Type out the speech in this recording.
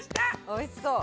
おいしそう。